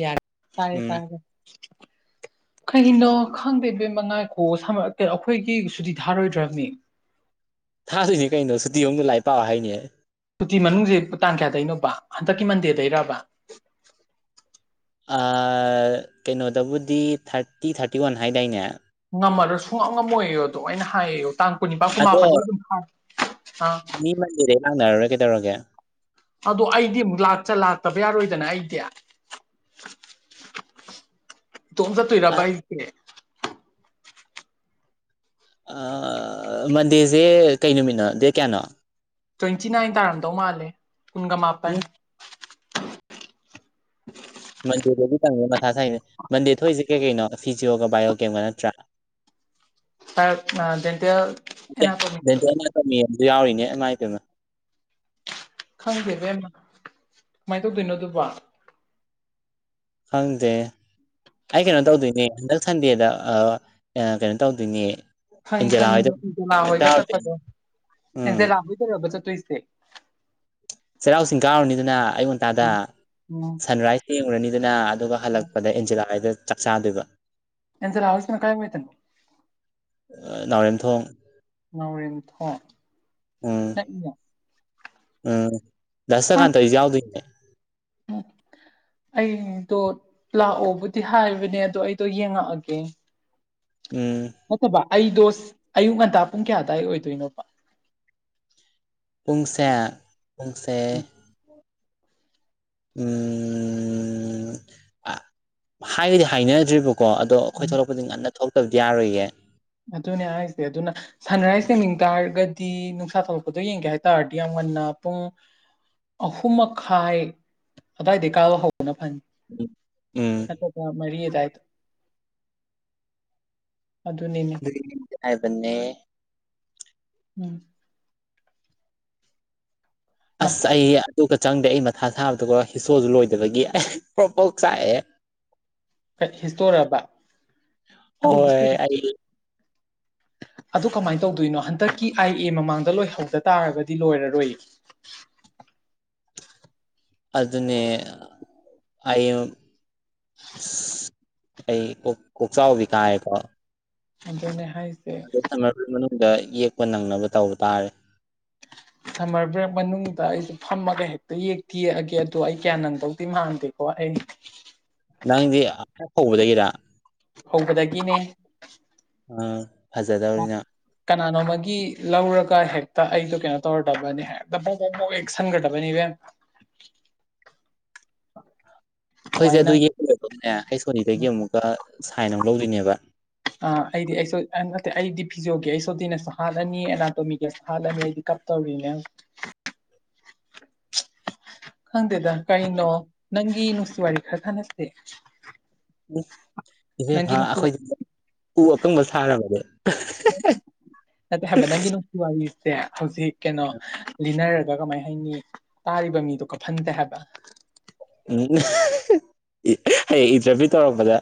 ꯌꯥꯔꯦ ꯇꯥꯔꯦ ꯎꯝ ꯇꯥꯔꯦ [inaudible] ꯀꯩꯒꯤꯅꯣ ꯈꯪꯗꯦ ꯕꯦꯝꯃ ꯉꯥꯏꯈꯨꯑꯣ ꯁꯪ ꯑ ꯀꯣ ꯑꯈꯣꯏꯒꯤ ꯁꯨꯇꯤ ꯊꯥꯔꯣꯏꯗ꯭ꯔꯥꯃꯤ ꯊꯥꯗꯣꯏꯅꯦ ꯀꯩꯅꯣ ꯁꯨꯇꯤ ꯃꯅꯨꯡꯗ ꯂꯥꯏꯔꯤꯛ ꯄꯥꯑꯣ ꯍꯥꯏꯅꯦ ꯁꯨꯇꯤ ꯃꯅꯨꯡꯁꯦ ꯇꯥꯟ ꯀꯌꯥꯗꯩꯅꯣꯕ ꯍꯟꯗꯛꯀꯤ ꯃꯟꯗꯦꯗꯩꯔꯕ ꯑꯥ ꯀꯩꯅꯣꯗꯕꯨꯗꯤ ꯊꯥꯔꯇꯤ ꯊꯥꯔꯇꯤ ꯋꯥꯟ ꯍꯥꯏꯗꯥꯏꯅꯦ ꯉꯝꯃꯔꯣꯏ ꯁꯨꯡꯉꯝ ꯉꯝꯃꯣꯏ ꯑꯗꯣ ꯑꯩꯅ ꯍꯥꯏꯌꯦꯌꯣ ꯇꯥꯡ ꯀꯨꯟꯅꯤꯄꯥꯟ ꯀꯨꯟ ꯑꯗꯣ ꯃꯥꯄꯟꯗꯩ ꯑꯗꯨꯝ ꯊꯥꯏ ꯑꯥ ꯃꯤ ꯃꯟꯗꯦꯗꯩ ꯂꯥꯛꯅꯔꯔꯣꯏ ꯀꯩꯗꯧꯔꯒꯦ ꯑꯗꯣ ꯑꯩꯗꯤ ꯑꯃꯨꯛ ꯂꯥꯛ ꯆ ꯂꯥꯛꯇꯕ ꯌꯥꯔꯣꯏ ꯗꯅ ꯑꯩꯗꯤ ꯏꯇꯣꯝ ꯆꯠꯇꯣꯏ ꯔꯕ ꯑꯩꯁꯦ ꯑꯥ ꯃꯟꯗꯦꯁꯦ ꯀꯩ ꯅꯨꯃꯤꯠꯅꯣ ꯗꯦꯠ ꯀꯌꯥꯅꯣ ꯇ꯭ꯋꯦꯟꯇꯤ ꯅꯥꯏꯟ ꯇꯥꯔꯝꯗꯧ ꯃꯥꯜꯂꯦ ꯀꯨꯟꯒ ꯃꯥꯄꯟ ꯎꯝ [inaudible] ꯃꯟꯗꯦꯗꯗꯤ [unintelligible] ꯃꯊꯥ ꯁꯥꯏꯅ ꯃꯟꯗꯦ ꯊꯣꯛꯏꯁꯦ ꯀꯩ ꯀꯩꯅꯣ ꯐꯤꯖꯤꯑꯣꯒ ꯕꯥꯏꯑꯣꯒꯜꯀꯦꯝꯒ ꯅꯠꯇ꯭ꯔꯥ [inaudible] [unintelligible] ꯑ ꯑꯦꯟꯇꯦꯜ ꯑꯦꯅꯥꯇꯣꯃꯤ ꯗꯦꯟꯇꯦꯜ ꯑꯦꯅꯥꯇꯣꯃꯤ ꯌꯥꯎꯔꯤꯅꯦ ꯏꯃꯥꯏꯄꯦꯝꯃ ꯈꯪꯗꯦꯕꯦꯝꯃ ꯀꯃꯥꯏꯅ ꯇꯧꯗꯣꯏꯅꯣ ꯑꯗꯨꯕꯣ ꯈꯪꯗꯦ ꯑꯩ ꯀꯩꯅꯣ ꯇꯧꯗꯣꯏꯅꯦ ꯍꯟꯗꯛ ꯁꯟꯗꯦꯗ ꯑꯍ ꯑꯥ ꯀꯩꯅꯣ ꯇꯧꯗꯣꯏꯅꯦ ꯈꯪꯉꯤ ꯑꯦꯟꯖꯦꯂꯥ ꯈꯪꯉꯤ ꯍꯣꯏꯗ ꯏꯟꯖꯦꯂꯥ ꯆꯥꯛ ꯍꯣꯏꯗ ꯆꯥꯔꯨꯗꯣꯏꯅꯦ ꯆꯠꯄꯗꯣ ꯎꯝ ꯏꯟꯇꯦꯂꯥ ꯍꯣꯏꯗꯔꯕ ꯆꯠ ꯇꯣꯏꯁꯦ ꯆꯩꯔꯥꯎ ꯆꯤꯡ ꯀꯥꯎꯔꯅꯤꯗꯅ ꯑꯌꯨꯛ ꯉꯟꯇꯥꯗ ꯎꯝ ꯁꯟꯔꯥꯏꯁ ꯊꯦꯡꯉꯨꯔꯅꯤꯗꯅ ꯑꯗꯨꯒ ꯍꯜꯂꯛꯄꯗ ꯑꯦꯟꯖꯦꯂꯥ ꯍꯣꯏꯗ ꯆꯥꯛꯆꯥꯥꯗꯨꯏꯕ ꯑꯦꯟꯖꯦꯂꯥ ꯍꯣꯏꯁꯤꯅ ꯀꯥꯏ ꯋꯥꯏꯗꯅꯣ ꯑꯥ ꯅꯥꯎꯔꯦꯝꯊꯣꯡ ꯅꯥꯎꯔꯦꯝꯊꯣꯡ ꯎꯝ ꯅꯛꯏꯅꯦ ꯎꯝ ꯗꯥ ꯍꯥ, ꯁꯨꯖꯀꯥꯟꯇ ꯍꯣꯏꯁꯨ ꯌꯥꯎꯗꯨꯏꯅꯦ ꯎꯝ ꯑꯩꯗꯣ ꯂꯥꯛꯑꯣꯕꯨꯗꯤ ꯍꯥꯏꯕꯅꯦ ꯑꯗꯣ ꯑꯩꯗꯣ ꯌꯦꯡꯉꯛꯑꯒꯦ ꯎꯝ ꯅꯠꯇꯕ ꯑꯩꯗꯣ ꯁꯤ ꯑꯌꯨꯛ ꯉꯟꯇꯥ ꯄꯨꯡ ꯀꯌꯥꯗꯥꯏ ꯑꯣꯏꯗꯣꯏꯅꯣꯕ ꯄꯨꯡꯁꯦ ꯄꯨꯡꯁꯦ ꯎꯝ, ꯎꯝ ꯑꯥ ꯍꯥꯏ ꯍꯥꯏꯅꯗ꯭ꯔꯤꯕ ꯀꯣ ꯑꯗꯣ ꯑꯈꯣꯏ ꯎꯝ. ꯊꯣꯛꯂꯛꯄꯗꯤ ꯉꯟꯅ ꯊꯣꯛꯂꯛꯇꯕꯗꯤ ꯌꯥꯔꯣꯏꯌꯦ ꯑꯗꯨꯅꯦ ꯍꯥꯏꯁꯦ ꯑꯗꯨꯅ ꯁꯟꯔꯥꯏꯁ ꯌꯦꯡꯃꯤ ꯇꯥꯔꯒꯗꯤ ꯅꯨꯡꯁꯥ ꯊꯣꯛꯂꯛꯄꯗꯣ ꯌꯦꯡꯒꯦ ꯍꯥꯏꯇꯥꯥꯔꯗꯤ ꯌꯥꯝ ꯉꯥꯟ ꯉꯟꯅ ꯄꯨꯡ ꯑꯍꯨꯝ ꯃꯈꯥꯏ ꯑꯗꯨꯋꯥꯏꯗ ꯀꯥꯕ ꯍꯧ ꯐꯅꯤ ꯎꯝ ꯑꯗꯨꯒ ꯃꯔꯤ ꯗꯥꯏꯗ ꯑꯗꯨ ꯍꯥꯏꯕꯅꯦ ꯎꯝ ꯃꯥ ꯑꯁ ꯑꯩ ꯑꯗꯨꯒ ꯆꯪꯗꯦ ꯑꯩ ꯃꯊꯥ ꯁꯥꯕꯗꯀꯣ ꯍꯤꯁꯣꯗꯣ ꯂꯣꯏꯗꯕꯒꯤ ꯑꯩ ꯄ꯭ꯔꯣꯛ ꯄ꯭ꯔꯣꯛ ꯆꯥꯛꯑꯦ ꯀꯩ- ꯍꯤꯁꯇꯣꯔꯕ ꯑꯗꯨ ꯍꯤꯁꯇꯣꯔꯤ ꯍꯣꯏ ꯑꯩ ꯑꯗꯨ ꯀꯃꯥꯏꯅ ꯇꯧꯗꯣꯏꯅꯣ ꯍꯟꯗꯛꯀꯤ ꯑꯥꯏ ꯑꯦ ꯃꯃꯥꯡꯗ ꯂꯣꯏꯍꯧꯗ ꯇꯥꯔꯒꯗꯤ ꯂꯣꯏꯔꯔꯣꯏ [inaudible] ꯑꯗꯨꯅꯦ ꯑꯥꯌꯨꯝ ꯑꯩ ꯀꯣꯛ ꯀꯣꯛꯆꯥꯎꯕꯤ ꯀꯥꯔꯦꯀꯣ ꯑꯗꯨꯅꯦ ꯍꯥꯏꯁꯦ ꯗ ꯌꯦꯛꯄ ꯅꯪꯅꯕ ꯇꯧꯕ ꯇꯥꯔꯦ ꯁꯝꯃꯔ ꯕ꯭ꯔꯦꯛ ꯃꯅꯨꯡꯗ ꯑꯩꯁꯨ ꯐꯝꯃꯒ ꯍꯦꯛꯇ ꯌꯦꯛꯇ ꯌꯦꯛꯑꯒꯦ ꯑꯗꯣ ꯑꯩ ꯀꯌꯥ ꯅꯪꯗꯧꯗꯤ ꯃꯥꯟꯗꯦꯀꯣ ꯑꯩ [inaudible] ꯅꯪꯗꯤ ꯍꯧꯕꯗꯒꯤꯔ ꯍꯧꯕꯗꯒꯤꯅꯦ ꯑꯥ ꯐꯖꯗꯧꯔꯤꯅ ꯀꯅꯥꯅꯣꯝꯃꯒꯤ ꯂꯧꯔꯒ ꯍꯦꯛꯇ ꯑꯩꯗꯣ ꯀꯩꯅꯣ ꯇꯧꯔꯗꯕꯅꯤ ꯍꯦꯛꯇ ꯕꯣꯛ ꯕꯣꯛ ꯌꯦꯛꯁꯟꯒ꯭ꯔꯗꯕꯅꯤ ꯏꯕꯦꯝꯃ [inaudible] ꯑꯈꯣꯏꯁꯦ ꯑꯗꯨ ꯑꯗꯨꯃꯥꯏꯅ ꯌꯦꯛꯄ ꯂꯣꯏꯕꯒꯅꯦ ꯍꯩꯁ ꯑꯣ ꯗꯤꯗꯒꯤ ꯑꯃꯨꯛꯀ ꯁꯥꯏꯟ ꯑꯃꯨꯛ ꯂꯧꯗꯣꯏꯅꯦꯕ ꯑ ꯑꯩꯗꯤ ꯑꯩꯁ ꯑ ꯅꯠꯇꯦ ꯑꯩꯗꯤ ꯐꯤꯖꯣꯒꯤ ꯑꯩꯁꯣꯗꯤꯅꯁꯨ ꯍꯥꯜꯂꯅꯤ ꯑꯦꯅꯥꯇꯣꯃꯤꯒꯁꯨ ꯍꯥꯜꯂꯅꯤ ꯑꯩꯗꯤ ꯇꯧꯔꯤꯅꯦ ꯈꯪꯗꯦꯗ ꯀꯔꯤꯅꯣ ꯅꯪꯒꯤ ꯅꯨꯡꯁꯤ ꯋꯥꯔꯤ ꯈꯔ ꯁꯥꯅꯁꯦ ꯏꯕꯦꯝꯃ ꯑꯈꯣꯏ ꯎ ꯑꯀꯪꯕ ꯁꯥꯔꯕꯅꯦ ꯅꯠꯇꯦ ꯍꯥꯏꯕ ꯅꯪꯒꯤ ꯅꯨꯡꯁꯤ ꯋꯥꯔꯤꯁꯦ ꯍꯧꯖꯤꯛ ꯀꯩꯅꯣ ꯂꯤꯅꯔ ꯂꯤꯅꯔ ꯀꯃꯥꯏ ꯍꯥꯏꯅꯤ ꯇꯥꯔꯤꯕ ꯃꯤꯗꯣ ꯀꯐꯟꯁꯦ ꯍꯥꯏꯕ ꯍꯌꯦꯡ ꯏꯟꯇꯔꯚꯤꯌꯨ ꯇꯧꯔꯛꯄꯗ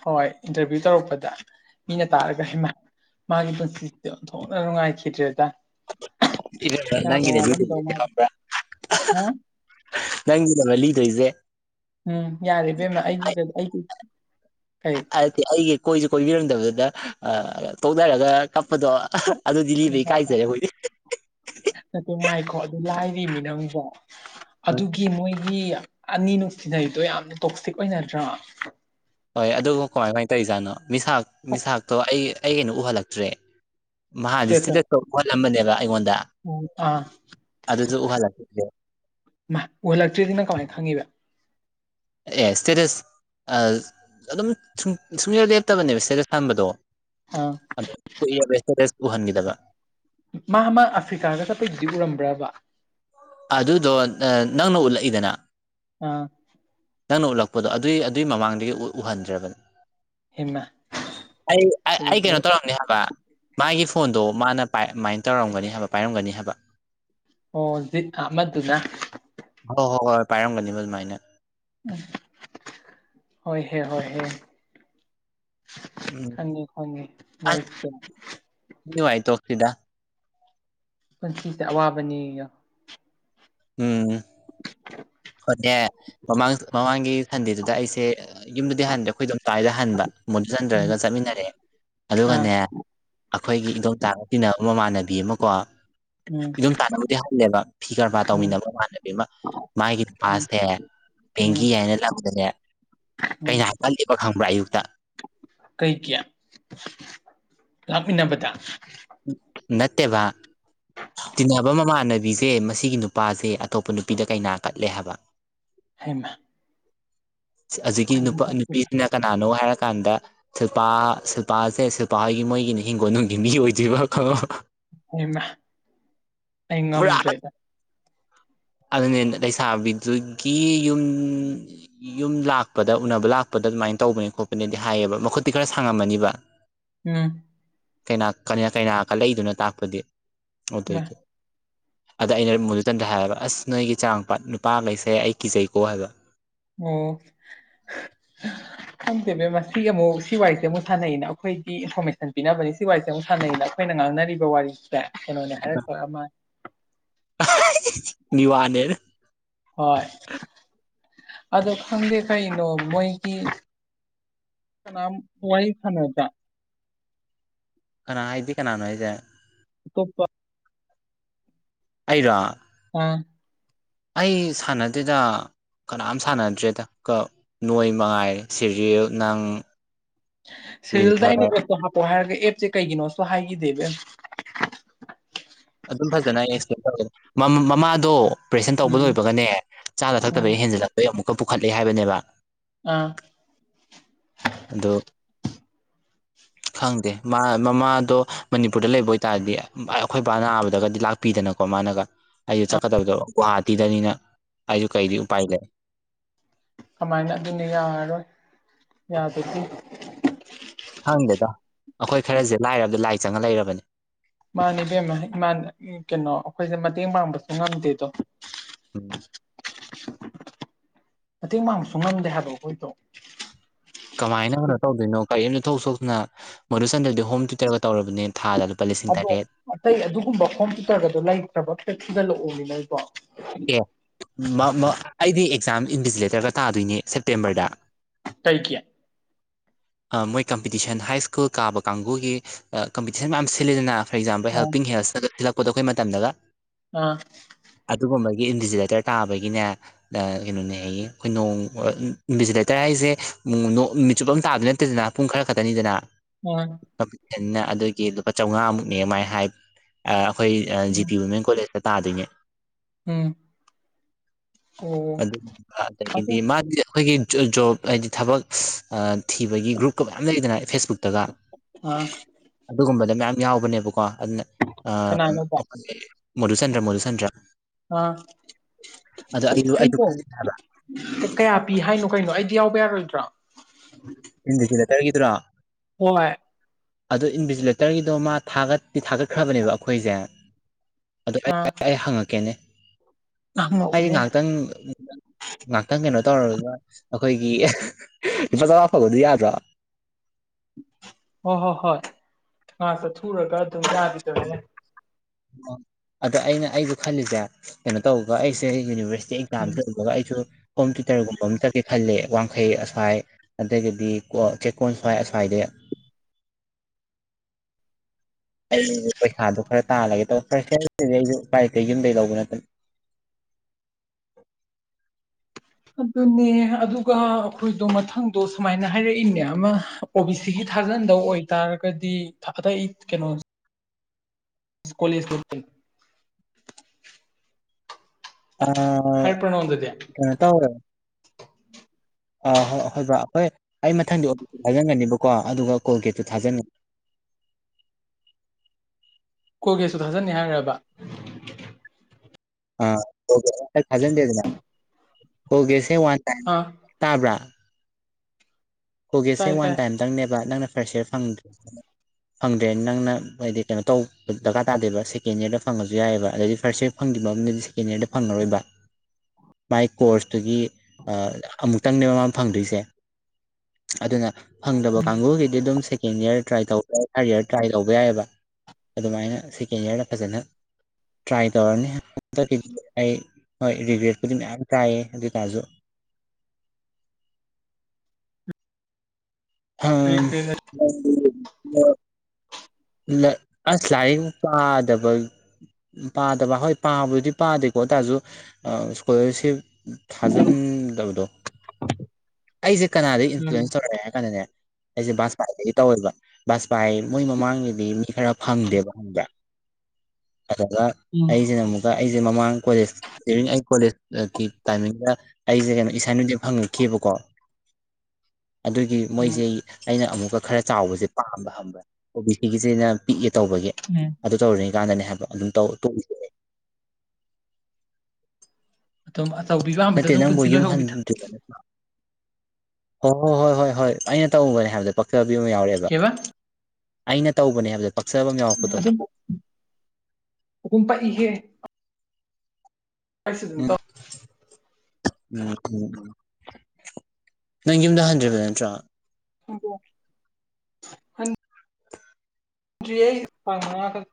ꯍꯣꯏ ꯏꯟꯇꯔꯚꯤꯌꯨ ꯇꯧꯔꯛꯄꯗ ꯃꯤꯅ ꯇꯥꯔꯒ ꯍꯩꯃꯥ ꯃꯥꯒꯤ ꯄꯨꯟꯁꯤꯁꯦ ꯑꯣꯟꯊꯣꯛꯅ ꯅꯨꯡꯉꯥꯏꯈꯤꯗ꯭ꯔꯦꯗ ꯏꯕꯦꯝꯃ ꯌꯥꯝꯅ ꯅꯪꯒꯤꯅꯦ ꯋꯥꯔꯝꯗꯧ ꯑꯗꯨꯁꯤꯡꯗꯨꯗꯤ ꯃꯥꯜꯂꯦ ꯈꯪꯕ꯭ꯔꯥ ꯍꯥ ꯅꯪꯒꯤꯗꯔꯕ ꯂꯤꯗꯣꯏꯁꯦ ꯎꯝ ꯌꯥꯔꯦ ꯏꯕꯦꯝꯃ ꯑꯩꯒꯤ ꯑꯩꯒꯤ ꯀꯩ ꯑꯗꯨꯗꯤ ꯑꯩꯒꯤ ꯀꯣꯏꯁꯨ ꯀꯣꯏꯕꯤꯔꯝꯗꯕꯗꯨꯅ ꯇꯣꯛꯅꯔꯒ ꯀꯥꯞꯄꯗꯣ ꯑꯗꯨꯗꯤꯂꯤꯕ ꯏꯀꯥꯏꯖꯩ ꯑꯈꯣꯏꯗꯤ ꯍꯣ ꯑꯗꯨ ꯂꯥꯏꯔꯤꯃꯤ ꯅꯪꯕꯣ ꯑꯗꯨꯒꯤ ꯃꯣꯏꯒꯤ ꯑꯅꯤ ꯅꯨꯡꯁꯤꯅꯩꯗꯣ ꯌꯥꯝꯅ ꯇꯣꯛꯁꯤꯛ ꯑꯣꯏꯅꯗ꯭ꯔꯥ ꯍꯣꯏ ꯑꯗꯨ ꯀꯃꯥꯏ ꯀꯃꯥꯏꯅ ꯇꯧꯔꯤꯖꯥꯠꯅꯣ ꯃꯤꯁꯥꯛ ꯃꯤꯁꯥꯛꯇꯣ ꯑꯩ ꯑꯩ ꯀꯩꯅꯣ ꯎꯍꯜꯂꯛꯇ꯭ꯔꯦ ꯃꯍꯥꯟꯅꯗꯤ ꯏꯁꯇꯦꯇꯥꯁꯇꯣ ꯎꯍꯜꯂꯝꯕꯅꯦꯕ ꯑꯩꯉꯣꯟꯗ ꯑꯣ ꯑꯥ ꯑꯗꯨꯁꯨ ꯎꯍꯜꯂꯛꯈꯤꯗ꯭ꯔꯦ ꯃꯥ ꯎꯍꯜꯂꯛꯇ꯭ꯔꯤꯗꯤꯅꯪ ꯀꯃꯥꯏꯅ ꯈꯪꯉꯤꯕ ꯑꯦ ꯁ꯭ꯇꯦꯇꯁ ꯑꯗꯨꯝ ꯁꯨꯡ ꯁꯨꯡꯂꯦꯞ ꯂꯦꯞꯇꯕꯅꯦꯕ ꯁ꯭ꯇꯦꯇꯁ ꯊꯝꯕꯗꯣ ꯑꯥ ꯑꯗ ꯀꯨꯏꯔꯦꯕ ꯁ꯭ꯇꯦꯇꯥꯁ ꯎꯍꯟꯈꯤꯗꯕ ꯃꯥ ꯃꯥ ꯑꯐ꯭ꯔꯤꯀꯥꯒ ꯆꯠꯄꯩꯗꯨꯗꯤ ꯎꯔꯝꯕ꯭ꯔꯕ ꯑꯗꯨꯗꯣ ꯅꯪꯅ ꯎꯠꯂꯛꯏꯗꯅ ꯑꯥ ꯅꯪꯅ ꯎꯠꯂꯛꯄꯗꯣ ꯑꯗꯨꯏ ꯑꯗꯨꯏ ꯃꯃꯥꯡꯗꯒꯤ ꯎꯍꯟꯗ꯭ꯔꯕ ꯍꯤꯃ ꯑꯩ ꯑꯩ ꯑꯩ ꯀꯩꯅꯣ ꯇꯧꯔꯝꯅꯤ ꯍꯥꯏꯕ ꯃꯥꯒꯤ ꯐꯣꯟꯗꯣ ꯃꯥꯅ ꯑꯗꯨꯃꯥꯏꯅ ꯇꯧꯔꯝꯒꯅꯤ ꯍꯥꯏꯕ ꯄꯥꯏꯔꯝꯒꯅꯤ ꯍꯥꯏꯕ ꯑꯣ ꯕꯤꯠ ꯑꯃꯗꯨꯅ ꯍꯣꯏ ꯍꯣꯏ ꯍꯣꯏ ꯄꯥꯏꯔꯝꯒꯅꯤꯕ ꯑꯗꯨꯃꯥꯏꯅ ꯍꯣꯏ ꯍꯦ ꯍꯣꯏ ꯍꯦ ꯎꯝ ꯈꯪꯉꯦ ꯈꯪꯉꯦ ꯃꯣꯏꯗꯣ ꯅꯨꯉꯥꯏ ꯊꯣꯛꯁꯤꯗ ꯄꯨꯟꯁꯤꯁꯦ ꯑꯋꯥꯕꯅꯤ ꯌꯦꯑꯣ ꯎꯝ ꯍꯣꯏꯅꯦ ꯃꯃꯥꯡ ꯃꯃꯥꯡꯒꯤ ꯁꯟꯗꯦꯗꯨꯗ ꯑꯩꯁꯦ ꯌꯨꯝꯗꯗꯤ ꯍꯟꯗ꯭ꯔꯦ ꯑꯩꯈꯣꯏ ꯑꯗꯨꯝ ꯇꯥꯏꯗ ꯍꯟꯕ ꯃꯨꯠꯗꯨ ꯎꯝ ꯆꯟꯗꯔꯒ ꯆꯠꯃꯤꯟꯅꯔꯦ ꯑꯥ ꯑꯗꯨꯒꯅꯦ ꯑꯈꯣꯏꯒꯤ ꯏꯗꯣꯝ ꯆꯥꯒ ꯇꯤꯟꯅꯕ ꯃꯃꯥꯟꯅꯕꯤ ꯑꯃ ꯀꯣ ꯎꯝ ꯑꯗꯨꯝ ꯆꯥꯅꯕꯨꯗꯤ ꯍꯜꯂꯦꯕ ꯐꯤ ꯀꯔꯕꯥꯔ ꯎꯝ ꯇꯧꯃꯤꯟꯅꯕ ꯏꯃꯥꯟꯅꯕꯤ ꯑꯃ ꯎꯝ ꯃꯥꯒꯤꯄꯥꯥꯁꯁꯦ ꯎꯝ ꯄꯦꯡꯒꯤ ꯍꯥꯏꯅ ꯂꯝꯗꯅꯦ ꯎꯝ ꯀꯩꯅ ꯍꯥꯏ ꯀꯜꯂꯤꯕ ꯈꯪꯕ꯭ꯔꯥ ꯑꯌꯨꯛꯇ ꯀꯩꯒꯤ ꯂꯥꯛꯃꯤꯟꯅꯕꯗ ꯅꯠꯇꯦꯕ ꯇꯤꯟꯅꯕ ꯃꯃꯥꯟꯅꯕꯤꯁꯦ ꯃꯁꯤꯒꯤ ꯅꯨꯄꯥꯁꯦ ꯑꯇꯣꯞꯄ ꯅꯨꯄꯤꯗ ꯀꯩꯅꯥ ꯀꯠꯂꯦ ꯍꯥꯏꯕ ꯍꯩꯃꯥ ꯑꯖꯤꯒꯤ ꯅꯨꯄꯥ ꯅꯨꯄꯤꯗꯨꯅ ꯀꯅꯥꯅꯣ ꯍꯥꯏꯔꯛ ꯀꯥꯟꯗ ꯁꯤꯜꯄꯥ ꯁꯤꯜꯄꯥꯁꯦ ꯁꯤꯜꯄꯥ ꯍꯣꯏꯒꯤ ꯃꯣꯏꯒꯤꯅꯤ ꯍꯤꯡꯒꯣꯜꯅꯨꯡꯒꯤ ꯃꯤ ꯑꯣꯏꯗꯣꯏꯕ ꯈꯪꯑꯕ ꯑꯩꯃꯥ ꯑꯩ ꯄꯨꯔꯥ ꯉꯝꯗ꯭ꯔꯦꯗ ꯑꯗꯨꯅꯦ ꯂꯩꯁꯥꯕꯤꯗꯨꯒꯤ ꯌꯨꯝ ꯌꯨꯝ ꯂꯥꯛꯄꯗ ꯎꯅꯕ ꯂꯥꯛꯄꯗ ꯑꯗꯨꯃꯥꯏꯅ ꯇꯧꯕꯅꯦ ꯈꯣꯠꯄꯅꯦꯗꯤ ꯍꯥꯏꯌꯦꯕ ꯃꯈꯨꯠꯇꯤ ꯈꯔ ꯁꯥꯡꯉꯝꯃꯅꯤꯕ ꯎꯝ ꯀꯩꯅ ꯀꯩꯅ ꯀꯠꯂꯛ ꯢꯗꯨꯅ ꯇꯥꯛꯄꯗꯤ ꯃꯥ ꯑꯗꯨꯒꯤ ꯑꯗ ꯑꯩꯅ ꯃꯨꯗꯨꯆꯟꯗꯔꯗ ꯍꯥꯏꯕ ꯑꯁ ꯅꯣꯏꯒꯤ ꯀꯆꯥꯡꯄꯥꯠ ꯅꯨꯄꯥ ꯂꯩꯁꯩ ꯑꯩ ꯀꯤꯖꯩꯀꯣ ꯍꯥꯏꯕ ꯑꯣ ꯈꯪꯗꯦ ꯢꯕꯦꯝꯃ ꯁꯤ ꯑꯃꯨꯛ ꯁꯤ ꯋꯥꯏꯁꯦ ꯑꯃꯨꯛ ꯁꯥꯟꯅꯩꯅ ꯑꯩꯈꯣꯏꯒꯤ ꯏꯟꯐꯣꯔꯃꯦꯁꯟ ꯄꯤꯅꯕꯅꯦ ꯁꯤ ꯋꯥꯏꯁꯦ ꯑꯃꯨꯛ ꯁꯥꯟꯅꯩꯅ ꯑꯩꯈꯣꯏ ꯑꯩꯈꯣꯢꯅ ꯉꯥꯡꯅꯔꯤꯕ ꯋꯥꯔꯤꯁꯦ ꯀꯩꯅꯣꯅꯦ ꯍꯥꯏꯔꯛꯇꯧ ꯃꯟꯂꯦ ꯃꯤꯋꯥꯅꯦ ꯍꯣꯏ ꯑꯗꯣ ꯈꯥꯗꯦ ꯀꯩꯅꯣ ꯃꯣꯏꯒꯤ ꯀꯅꯝ ꯋꯥꯔꯤ ꯁꯟꯅꯗ꯭ꯔꯥ ꯀꯅꯥ ꯑꯩꯗꯤ ꯀꯅꯥꯅꯣ ꯑꯩꯁꯦ ꯇꯣꯞꯄ ꯑꯩꯔꯣ ꯑ ꯑꯩ ꯁꯥꯟꯅꯗꯦꯗ ꯀꯅꯥꯝ ꯁꯥꯟꯅꯗ꯭ꯔꯦꯗ ꯀ ꯅꯣꯏ ꯃꯉꯥꯏꯔꯦ ꯁꯤꯔꯤꯌꯦꯜ ꯅꯪ ꯁꯤꯔꯤꯌꯦꯜꯗ ꯂꯤꯟꯊꯔ ꯑꯩꯅ ꯀ꯭ꯂꯕꯇꯣ ꯍꯥꯥꯞꯄꯛꯑꯣ ꯍꯥꯢꯔꯅꯤ ꯑꯦꯞꯁꯦ ꯀꯩꯒꯤꯅꯣꯁꯨ ꯍꯥꯏꯈꯤꯗꯦ ꯏꯕꯦꯝꯃ ꯃꯝ ꯃꯃꯥꯗꯣ ꯑꯣꯄꯔꯦꯁꯟ ꯇꯧꯕ ꯎꯝ ꯂꯣꯏꯕꯒꯅꯦ ꯆꯥꯅ ꯎꯝ ꯊꯛꯇꯕꯒꯤ ꯍꯦꯟꯖꯜꯂꯛꯄꯩ ꯑꯃꯨꯛ ꯄꯨꯈꯠꯂꯦ ꯍꯥꯏꯕꯅꯦꯕ ꯑꯥ ꯑꯗꯣ ꯈꯪꯗꯦ ꯃꯥ ꯃꯃꯥꯗꯣ ꯃꯅꯤꯄꯨꯔꯗ ꯂꯩꯕ ꯑꯣꯏꯇꯥꯔꯗꯤ ꯑꯩꯈꯣꯏ ꯕꯥ ꯅꯥꯕꯗꯒꯗꯤ ꯂꯥꯛꯄꯤꯗꯅꯀꯣ ꯃꯃꯥꯅꯒ ꯑꯩꯁꯨ ꯆꯠꯀꯗꯕꯗꯣ ꯒꯨꯍꯥꯇꯤꯗꯅꯤꯅ ꯑꯩꯁꯨ ꯀꯩꯗꯤ ꯎꯄꯥꯏ ꯂꯩ [inaudible] ꯀꯃꯥꯏꯅ ꯑꯗꯨꯅꯤ ꯌꯥꯔꯔꯣꯏ ꯌꯥꯗꯗꯤ ꯈꯪꯗꯦꯗ ꯑꯩꯈꯣꯏ ꯈꯔꯁꯦ ꯂꯥꯏꯔꯕꯗ ꯂꯥꯏ ꯆꯪꯉ ꯂꯩꯔꯕꯅꯦ ꯃꯥꯅꯦ ꯏꯕꯦꯝꯃ ꯃꯥꯅꯦ ꯀꯩꯅꯣ ꯑꯩꯈꯣꯏꯁꯦ ꯃꯇꯦꯡ ꯄꯥꯡꯕꯁꯨ ꯉꯝꯗꯦꯗꯣ ꯎꯝ ꯃꯇꯦꯡ ꯄꯥꯡꯕꯁꯨ ꯉꯝꯗꯦ ꯍꯥꯏꯕ ꯑꯩꯈꯣꯏꯗꯣ ꯀꯃꯥꯏꯅ ꯀꯩꯅꯣ ꯇꯧꯗꯣꯏꯅꯣ ꯀꯔꯤꯝꯇ ꯊꯣꯛꯁꯨ ꯊꯣꯛꯇꯅ ꯃꯗꯨꯆꯟꯗ꯭ꯔꯗꯤ ꯍꯣꯝ ꯇꯌꯨꯇꯔ ꯑꯗꯣ ꯑꯇꯩ ꯑꯗꯨꯒꯨꯝꯕ ꯍꯣꯝꯇꯨꯇꯔꯒꯗꯣ ꯂꯩꯇ꯭ꯔꯕ ꯊꯤꯒꯠꯂꯛ ꯑꯣꯃꯤ ꯅꯣꯏꯕꯣ ꯑꯦ ꯃ ꯃ ꯑꯩꯗꯤ ꯑꯦꯛꯖꯥꯝ ꯏꯟꯚꯤꯖꯤꯂꯦꯇꯔꯒ ꯇꯥꯗꯣꯏꯅꯦ ꯁꯦꯞꯇꯦꯝꯕꯔꯗ ꯀꯩꯒꯤ ꯑ ꯃꯣꯏ ꯀꯝꯄꯤꯇꯤꯁꯟ ꯍꯥꯏ ꯁ꯭ꯀꯨꯜ ꯀꯥꯕ ꯀꯥꯡꯕꯨꯒꯤ ꯀꯝꯄꯤꯇꯤꯁꯟ ꯃꯌꯥꯝ ꯁꯤꯜꯂꯤꯗꯅ ꯐꯣꯔ ꯑꯦꯛꯖꯥꯝꯄꯜ ꯑꯥ ꯍꯦꯜꯄꯤꯡ ꯍꯦꯜꯁꯅꯒ ꯊꯜꯂꯛꯄꯗꯣ ꯑꯩꯈꯣꯏ ꯃꯇꯝꯗꯒ ꯑꯥ ꯑꯗꯨꯒꯨꯝꯕꯒꯤ ꯏꯟꯚꯤꯖꯤꯂꯦꯇꯔ ꯇꯥꯕꯒꯤꯅꯦ ꯀꯩꯅꯣꯅꯦ ꯍꯥꯏꯌꯦ ꯑꯩꯈꯣꯏ ꯅꯣꯡ ꯏꯟꯚꯤꯖꯤꯂꯦꯇꯔ ꯍꯥꯏꯁꯦ ꯎꯝ ꯅꯣ ꯅꯨꯃꯤꯠꯆꯨꯞ ꯑꯃ ꯇꯥꯕꯗꯤ ꯅꯠꯇꯦꯗꯅ ꯄꯨꯡ ꯈꯔ ꯈꯛꯇꯅꯤꯗꯅ ꯑꯥ ꯑꯗꯨꯒꯤ ꯂꯨꯄꯥ ꯆꯥꯝꯃꯉꯥꯃꯨꯛꯅꯦ ꯃꯥꯏ ꯍꯥꯏ ꯑ ꯑꯩꯈꯣꯏ ꯑ ꯖꯤ ꯎꯝ ꯄꯤ ꯋꯨꯃꯦꯟ ꯀꯣꯂꯦꯖꯇ ꯇꯥꯗꯣꯏꯅꯦ ꯎꯝ ꯑꯣ ꯑꯗꯨ ꯑꯗꯣ ꯑꯗꯒꯤꯗꯤ ꯃꯥꯗꯤ ꯑꯩꯈꯣꯏꯒꯤ ꯖꯨ ꯖꯣꯕ ꯍꯥꯏꯗꯤ ꯊꯕꯛ ꯑ ꯊꯤꯕꯒꯤ ꯒ꯭ꯔꯨꯞꯀ ꯃꯌꯥꯝ ꯂꯩꯗꯅ ꯐꯦꯁ ꯕꯨꯠꯇꯒ ꯑꯥ ꯑꯗꯨꯒꯨꯝꯕꯗ ꯃꯌꯥꯝ ꯌꯥꯎꯕꯅꯦꯕꯀꯣ ꯑꯗꯨꯅ ꯑ ꯀꯅꯥꯅꯣꯕ ꯃꯗꯨꯆꯟꯗ꯭ꯔ ꯃꯗꯨꯆꯟꯗ꯭ꯔ ꯑ ꯑꯩꯗꯣ ꯑꯩꯗꯣ ꯀꯩꯅꯣ ꯈꯜꯂꯤ ꯍꯥꯏꯕ ꯀꯌꯥ ꯄꯤ ꯍꯥꯏꯅꯣ ꯀꯩꯅꯣ ꯑꯩ ꯌꯥꯎꯕ ꯌꯥꯔꯣꯏꯗ꯭ꯔꯣ ꯏꯟꯕꯤ ꯖꯤꯂꯦꯇꯔꯒꯤꯗꯨꯔꯣ ꯍꯣꯏ ꯑꯗꯣ ꯏꯟꯚꯤꯖꯤꯂꯦꯇꯔꯒꯤꯗꯣ ꯃꯥꯥ ꯊꯒꯠ ꯊꯒꯠꯇꯤ ꯈ꯭ꯔꯕꯅꯦꯕ ꯑꯩꯈꯣꯏꯁꯦ ꯑꯗꯨ ꯉꯥ ꯑꯩ ꯑꯩ ꯍꯪꯉꯛꯀꯦꯅꯦ ꯍꯥꯏꯗꯤ ꯉꯥꯡꯉꯛꯎꯅꯦ ꯉꯛꯇꯪ ꯉꯛꯇꯪ ꯀꯩꯅꯣ ꯇꯧꯔꯒ ꯑꯩꯈꯣꯏꯒꯤ ꯂꯨꯄꯥ ꯆꯧꯉꯥ ꯐꯡꯕꯗꯣ ꯌꯥꯗ꯭ꯔꯣ ꯍꯣꯏ ꯍꯣꯏ ꯍꯣꯏ ꯉꯥꯛ ꯆꯠꯊꯣꯛ ꯎꯔꯒ ꯑꯗꯨꯝ ꯌꯥꯕꯤꯗꯨꯅꯦ ꯑꯗ ꯑꯩꯅ ꯑꯩꯁꯨ ꯈꯜꯂꯤꯁꯦ ꯀꯩꯅꯣ ꯇꯧꯒ ꯑꯩꯁꯦ ꯌꯨꯅꯤꯚꯔ ꯁꯤ ꯎꯝ ꯑꯦꯛꯖꯝꯖꯦ ꯂꯣꯏꯕꯒ ꯑꯩꯖꯨ ꯍꯣꯝꯇ꯭ꯌꯨꯇꯔꯒꯨꯝꯕ ꯑꯃ ꯆꯠꯀꯦ ꯈꯜꯂꯦ ꯋꯥꯡꯈꯩ ꯑꯁ꯭ꯋꯥꯏ ꯑꯗꯨꯒꯗꯤ ꯀꯣ ꯆꯦꯛꯀꯣꯟ ꯁ꯭ꯋꯥꯏ ꯑꯁ꯭ꯋꯥꯏꯗꯩ [inaudible] ꯑꯩꯁ ꯄꯩꯁꯥꯗꯣ ꯈꯔ ꯇꯥꯜꯂꯒꯦ ꯇꯧꯕ ꯈꯔꯗꯤ ꯑꯩꯁꯨ ꯀꯔꯤ ꯀꯩ ꯌꯨꯝꯗꯩ ꯂꯧꯕ ꯅꯠꯇꯅ [inaudible] ꯑꯗꯨꯅꯦ ꯑꯗꯨꯒ ꯑꯩꯈꯣꯏꯗꯣ ꯃꯊꯪꯗꯣ ꯁꯨꯃꯥꯏꯅ ꯍꯥꯏꯔꯛꯏꯅꯦ ꯑꯃ ꯑꯣ ꯕꯤ ꯁꯤꯒꯤ ꯊꯥꯖꯟꯗꯧ ꯑꯣꯏꯇꯥꯔꯒꯗꯤ ꯑꯇꯩ ꯀꯩꯅꯣ ꯀꯣ ꯂꯦꯖ ꯀꯩ ꯀꯩ ꯑ ꯄ꯭ꯔꯅꯣꯟꯗꯗꯤ ꯀꯩꯅꯣ ꯇꯧꯔꯦ ꯑꯥ ꯍꯣꯏ ꯑ ꯍꯣꯏ ꯕ ꯍꯣꯏ ꯑꯩ ꯃꯊꯪꯗꯤ ꯑꯣꯕꯤꯁꯤ ꯊꯥꯖꯟꯒꯅꯤꯕꯀꯣ ꯑꯗꯨꯒ ꯀꯣꯜꯒꯦꯠꯇꯨ ꯊꯥꯖꯟꯒꯅꯤ [inaudible] ꯀꯣꯜꯒꯦꯁꯨ ꯊꯥꯖꯟꯅꯤ ꯍꯥꯏꯔꯕ ꯑ ꯀꯣꯜꯒꯦꯒꯁꯨ ꯊꯥꯖꯤꯟꯗꯦꯗꯅ ꯀꯣꯜꯒꯦ ꯔꯦꯔꯛ ꯋꯥꯟ ꯇꯥꯢ ꯑꯥ ꯇꯥꯕ꯭ꯔꯥ ꯀꯣꯒꯦꯠꯁꯦ ꯇꯥꯏ ꯋꯥꯟ ꯇꯥꯏ ꯇꯥꯏꯝꯇꯪꯅꯦꯕ ꯅꯪꯅ ꯐꯦꯔꯁꯏꯌꯥꯔ ꯐꯪꯗ꯭ꯔꯦ ꯐꯪꯗ꯭ꯔꯦꯅ ꯅꯪꯅ ꯍꯥꯏꯗꯤ ꯀꯩꯅꯣ ꯇꯧꯕ ꯗꯔꯀꯥꯔ ꯇꯥꯗꯦꯕ ꯁꯦꯀꯦꯟ ꯏꯌꯥꯔꯗ ꯐꯪꯉꯁꯨ ꯌꯥꯏꯑꯕ ꯑꯗꯩꯗꯤ ꯐꯔꯁ ꯏꯔ ꯐꯪꯗꯦ ꯕꯝꯗꯤ ꯁꯦꯀꯦꯟ ꯏꯌꯥꯔꯗ ꯐꯪꯉꯔꯣꯏꯕ ꯃꯥꯏ ꯀꯣꯔꯁꯇꯨꯒꯤ ꯑ ꯑꯃꯨꯛꯇꯪꯅꯦꯕ ꯃꯅ ꯐꯪꯗꯣꯏꯁꯦ ꯑꯗꯨꯅ ꯐꯪꯗꯕ ꯎꯝ ꯀꯥꯡꯕꯨꯒꯤꯗꯤ ꯑꯗꯨꯝ ꯁꯦ ꯁꯦꯀꯦꯟ ꯏꯌꯔ ꯇ꯭ꯔꯥꯏ ꯇꯧꯕ ꯌꯥꯏ ꯊꯥꯔ ꯏꯌꯔ ꯇ꯭ꯔꯥꯏ ꯇꯧꯕ ꯌꯥꯏꯑꯕ ꯑꯗꯨꯃꯥꯏꯅ ꯁꯦꯀꯦꯟ ꯏꯌꯔꯗ ꯐꯖꯅ ꯇ꯭ꯔꯥꯏ ꯇꯧꯔꯅꯤ ꯍꯟꯗꯛꯀꯤꯗꯤ ꯑꯩ ꯍꯣꯏ ꯔꯤꯒ꯭ꯔꯦꯠꯄꯨꯗꯤ ꯃꯌꯥꯝ ꯆꯏꯌꯦ ꯑꯗꯨ ꯑꯣꯏ ꯇꯥꯔꯖꯨ [inaudible] ꯐꯪ [unintelligible] ꯂꯥꯏ ꯑꯁ ꯂꯥꯏꯔꯤꯛ ꯄꯥꯗꯕꯒꯤ ꯄꯥꯗꯕ ꯍꯣꯏ ꯄꯥꯕꯨꯗꯤ ꯄꯥꯗꯦꯀꯣ ꯑꯗꯨꯑꯣꯏꯇꯥꯔꯁꯨ ꯑ ꯏꯁꯀꯣꯂꯔꯁꯤꯞ ꯊꯥꯖꯟꯗꯕꯗꯣ ꯑꯩꯁꯦ ꯀꯅꯥꯗ ꯎꯝ ꯏꯟꯐ꯭ꯂꯨꯌꯦꯟꯁ ꯇꯧꯔꯛꯑꯦ ꯍꯥꯏ ꯀꯥꯟꯗꯅꯦ ꯑꯩꯁꯦ ꯕꯥꯖꯄꯥꯏꯗꯒꯤ ꯇꯧꯋꯦꯕ ꯕꯥꯖꯄꯥꯏ ꯃꯣꯏ ꯃꯃꯥꯡꯒꯤꯗꯤ ꯃꯤ ꯈꯔ ꯐꯪꯗꯦꯕ ꯈꯪꯕ꯭ꯔꯥ ꯑꯗꯨꯒ ꯎꯝ ꯑꯩꯖꯤꯅ ꯑꯃꯨꯛꯀ ꯑꯩꯖꯦ ꯃꯃꯥꯡ ꯀꯣꯂꯦꯖ ꯗꯔꯤꯡ ꯑꯩ ꯀꯣꯂꯦꯖ ꯀꯤ ꯇꯥꯏꯃꯤꯡꯗꯨꯗ ꯑꯩꯖꯦ ꯀꯩꯅꯣ ꯏꯁꯥꯟ ꯎꯗꯦ ꯐꯪꯉꯛꯈꯤꯕꯀꯣ ꯑꯗꯨꯏ ꯎꯝ ꯃꯣꯏꯖꯦ ꯑꯩꯅ ꯑꯃꯨꯛꯀ ꯈꯔ ꯆꯥꯎꯕꯖꯦ ꯄꯥꯝꯕ ꯈꯪꯕ꯭ꯔꯪ ꯑꯣ ꯕꯤ ꯁꯤꯒꯤꯁꯤꯅ ꯄꯤꯛꯏꯕ ꯇꯧꯕꯒꯤ ꯎꯝ ꯑꯗꯨ ꯇꯧꯔꯅꯤ ꯀꯥꯟꯗꯅꯦ ꯍꯥꯏꯕ ꯑꯗꯨꯝꯇꯧ ꯇꯣꯛꯏꯁꯦ ꯑꯗꯨꯝ ꯑꯆꯧꯕꯤꯕ ꯄꯥꯝꯕꯗ ꯅꯠꯇꯦ ꯑꯗꯨꯝ ꯅꯪꯕꯨ ꯄꯨꯟꯁꯤ ꯌꯨꯝ ꯂꯣꯏꯍꯧꯕꯤꯗꯣ ꯍꯟꯗ꯭ꯔꯤꯕꯅꯤ ꯍꯣꯏ ꯍꯣ ꯍꯣꯏ ꯍꯣꯏ ꯍꯣꯏ ꯑꯩꯅ ꯇꯧꯕꯅꯦ ꯍꯥꯏꯕꯗ ꯄꯛꯆ ꯕꯤ ꯑꯃ ꯌꯥꯎꯔꯦꯕ ꯀꯩꯕ ꯑꯩꯅ ꯇꯧꯕꯅꯦ ꯍꯥꯏꯕꯗ ꯄꯛꯆꯕ ꯑꯃ ꯌꯥꯎꯔꯛꯄꯗꯣ ꯑꯗꯨꯝ ꯑꯗꯨꯝ ꯄꯛꯏꯍꯦ ꯑꯩꯁꯨ ꯑꯗꯨꯝ ꯎꯝ ꯇꯧ ꯎꯝ ꯅꯪ ꯌꯨꯝꯗ ꯍꯟꯗ꯭ꯔꯤꯕ ꯅꯠꯇ꯭ꯔꯣ ꯇꯥꯕ꯭ꯔꯣ ꯅꯪ ꯗ꯭ꯔꯤꯌꯦ ꯐꯪꯉ ꯈꯛ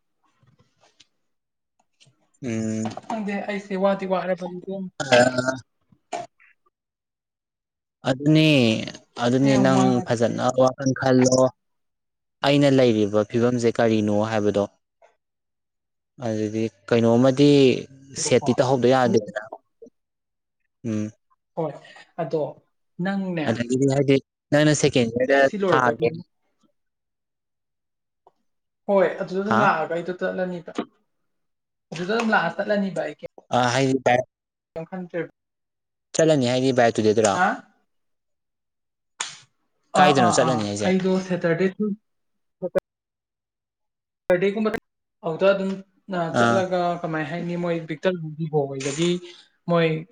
ꯎꯝ ꯈꯪꯗꯦ ꯑꯩꯁꯦ ꯋꯥꯗꯤ ꯋꯥꯔꯕꯅꯦ ꯏꯕꯦꯝꯃ ꯑꯗꯨꯅꯦ ꯑꯗꯨꯅꯦ ꯌꯥꯝ ꯅꯪ ꯐꯖꯅ ꯋꯥ ꯅꯪ ꯈꯜꯂꯣ ꯑꯩꯅ ꯂꯩꯔꯤꯕ ꯐꯤꯕꯝꯁꯦ ꯀꯔꯤꯅꯣ ꯍꯥꯏꯕꯗꯣ ꯑꯗꯨꯗꯤ ꯀꯩꯅꯣꯝꯃꯗꯤ ꯋꯥꯔꯦꯕꯀꯣ ꯁꯦꯠꯇꯤ ꯇꯧꯍꯧꯗ ꯌꯥꯗꯦꯗꯅ ꯎꯝ ꯍꯣꯏ ꯑꯗꯣ ꯅꯪꯅꯦ ꯑꯗꯨꯗꯒꯤꯗꯤ ꯍꯥꯏꯗꯤ ꯅꯪꯅ ꯁꯦꯀꯦꯟ ꯏꯌꯥꯔꯗ ꯁꯤ ꯂꯣꯏꯔꯒ ꯊꯥꯒꯦ ꯑꯗꯨꯝ ꯍꯣꯏ ꯑꯗꯨꯗ ꯑꯗꯨꯝ ꯍꯥ ꯂꯥꯛꯑꯒ ꯑꯩꯗꯣ ꯆꯠꯂꯅꯦꯕ ꯑꯗꯨꯗ ꯑꯗꯨꯝ ꯂꯥꯛꯑ ꯆꯠꯂꯅꯦꯕ ꯑꯩ ꯑ ꯍꯌꯦꯡ ꯇꯥꯢ ꯀꯌꯤꯝ ꯈꯟꯗ꯭ꯔꯦ ꯆꯠꯂꯅꯤ ꯍꯥꯏꯗꯤ ꯚꯥꯏ ꯑꯗꯨꯗꯩꯗꯨꯔꯥ ꯑꯥ ꯑꯥ ꯑꯥ ꯍꯥꯏꯁꯦ ꯑꯩꯗꯣ ꯁꯦꯇꯔꯗꯦꯁꯨ ꯁꯇꯔꯗꯦꯒꯨꯝꯕꯥꯗ ꯑꯧꯗꯨꯗ ꯑꯗꯨꯝ ꯑ ꯑꯥ ꯆꯠꯂꯒ ꯀꯃꯥꯏ ꯍꯥꯏꯅꯤ ꯃꯣꯏ ꯄꯤꯛ ꯇꯟꯕꯨꯗꯤ ꯍꯣꯡꯕꯒꯤ ꯃꯣꯏ